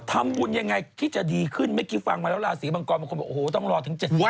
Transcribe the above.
ทำบุญอย่างไรที่จะดีขึ้นเมกิฟังมาแล้วลาสีบังกรมาแล้วโอ้โหต้องรอถึงเจ็ดสินหา